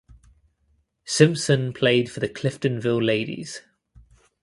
Simpson played for the Cliftonville Ladies.